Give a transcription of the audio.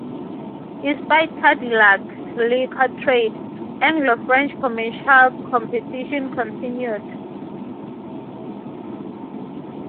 Despite Cadillac's liquor trade, Anglo-French commercial competition continued.